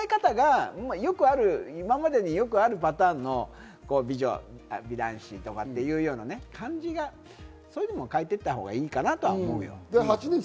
そのとらえ方が、今までによくあるパターンの美女、美男子とかっていうような感じが変えていったほうがいいかなと思うよ。